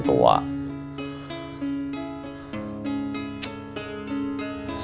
masih punya orang tua